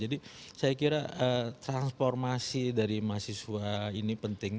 jadi saya kira transformasi dari mahasiswa ini penting